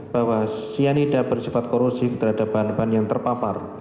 bahwa cyanida bersifat korosif terhadap bahan bahan yang terpapar